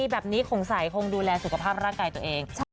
บึง